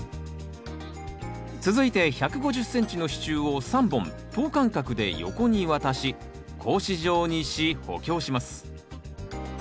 続いて１５０ｃｍの支柱を３本等間隔で横に渡し格子状にし補強します。